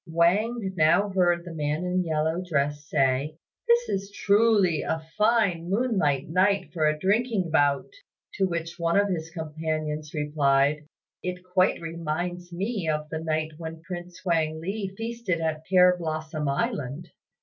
Wang now heard the man in the yellow dress say, "This is truly a fine moonlight night for a drinking bout;" to which one of his companions replied, "It quite reminds me of the night when Prince Kuang li feasted at Pear blossom Island."